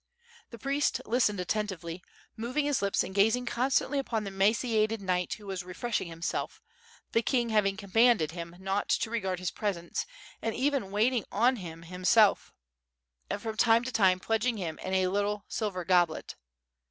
The priest listened attentively, moving his lips and gazing constantly upon the emaciated knight who was refreshing himself, the king having commanded him not to regard his presence, and even waiting on him himself, and from time to time pledging him in a little silver goblet.